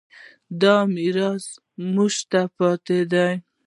دا میراث موږ ته پاتې دی.